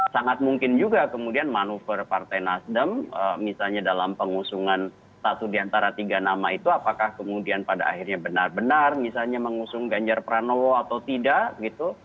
sangat mungkin juga kemudian manuver partai nasdem misalnya dalam pengusungan satu di antara tiga nama itu apakah kemudian pada akhirnya benar benar misalnya mengusung ganjar pranowo atau tidak gitu